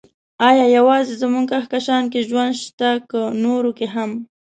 ايا يوازې زموږ کهکشان کې ژوند شته، که نورو کې هم؟